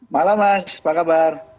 malam mas apa kabar